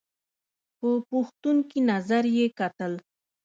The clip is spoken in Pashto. په پوښتونکي نظر یې کتل !